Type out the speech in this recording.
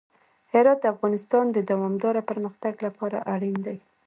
هرات د افغانستان د دوامداره پرمختګ لپاره اړین دي.